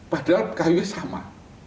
padahal kayunya sama